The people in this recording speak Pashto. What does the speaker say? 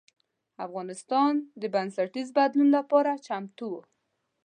افغانستان د بنسټیز بدلون لپاره چمتو و.